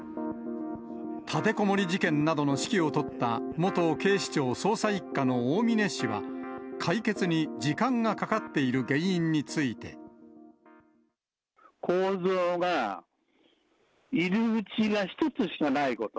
立てこもり事件などの指揮を執った元警視庁捜査１課の大峯氏は、解決に時間がかかっている原構造が、入り口が１つしかないこと。